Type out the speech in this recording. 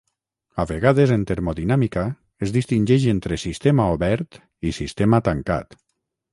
A vegades en termodinàmica es distingeix entre sistema obert i sistema tancat.